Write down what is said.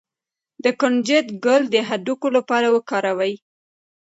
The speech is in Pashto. د کنجد ګل د هډوکو لپاره وکاروئ